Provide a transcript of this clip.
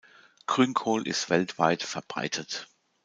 Grünkohl ist weltweit verbreitet.